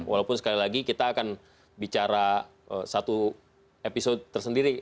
walaupun sekali lagi kita akan bicara satu episode tersendiri